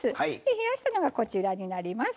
冷やしたのがこちらになります。